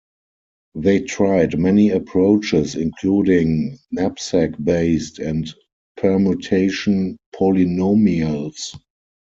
They tried many approaches including "knapsack-based" and "permutation polynomials".